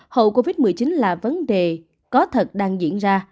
hậu covid một mươi chín là vấn đề có thật đang diễn ra